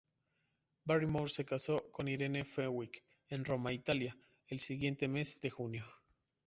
Barrymore se casó con Irene Fenwick en Roma, Italia, el siguiente mes de junio.